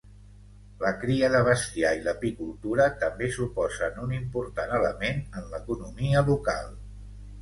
La cria de bestiar i l'apicultura també suposen un important element en l'economia local.